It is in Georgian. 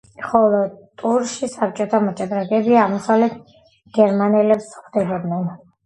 ბოლო ტურში საბჭოთა მოჭადრაკეები აღმოსავლეთ გერმანელებს ხვდებოდნენ.